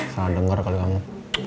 salah denger kali kamu